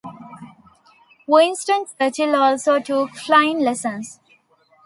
Winston Churchill also took flying lessons.